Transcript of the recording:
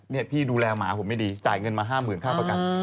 นี่พี่ดูแลหมาผมไม่ดีจ่ายเงินมา๕๐๐๐ค่าประกัน